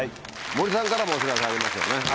森さんからもお知らせありますよね。